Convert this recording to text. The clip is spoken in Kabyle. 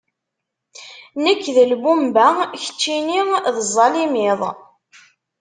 Nekk d lbumba, keččini d zzalimiḍ.